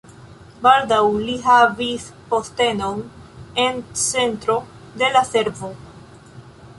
Baldaŭ li havis postenon en centro de la servo.